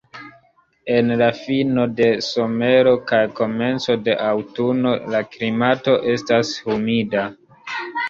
En la fino de somero kaj komenco de aŭtuno la klimato estas humida.